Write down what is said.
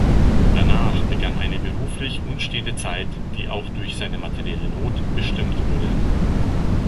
Danach begann eine beruflich unstete Zeit, die auch durch seine materielle Not bestimmt wurde.